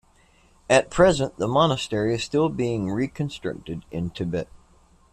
At present, the monastery is still being reconstructed in Tibet.